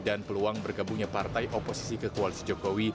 dan peluang bergabungnya partai oposisi ke koalisi jokowi